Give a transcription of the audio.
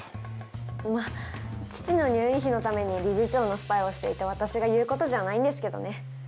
まぁ父の入院費のために理事長のスパイをしていた私が言うことじゃないんですけどね。